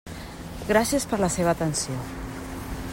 Gràcies per la seva atenció.